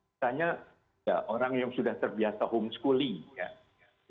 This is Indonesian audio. misalnya orang yang sudah terbiasa homeschooling